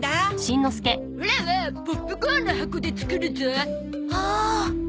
オラはポップコーンの箱で作るゾ。